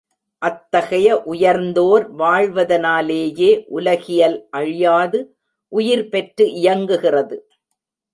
அத்தகைய உயர்ந்தோர் வாழ்வதனாலேயே உலகியல் அழியாது உயிர்பெற்று இயங்குகிறது!